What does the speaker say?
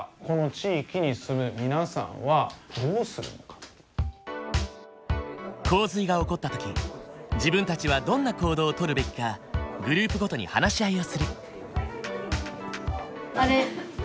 じゃあ洪水が起こった時自分たちはどんな行動をとるべきかグループごとに話し合いをする。